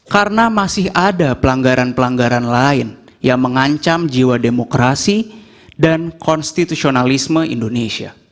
karena masih ada pelanggaran pelanggaran lain yang mengancam jiwa demokrasi dan konstitusionalisme